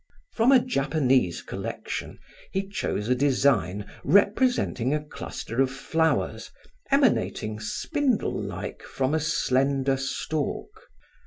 From a Japanese collection he chose a design representing a cluster of flowers emanating spindle like, from a slender stalk.